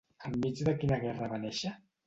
Enmig de quina guerra va néixer?